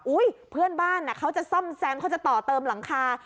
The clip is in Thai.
เพื่อนบ้านเขาจะซ่อมแซมเขาจะต่อเติมหลังคา